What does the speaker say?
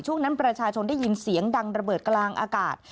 ช่วงนั้นประชาชนได้ยินเสียงดังระเบิดกลางอากาศ